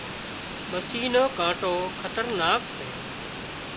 مسِي نو ڪانٽو خطرناڪ سي